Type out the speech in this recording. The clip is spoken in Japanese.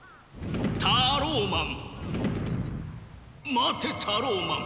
待てタローマン。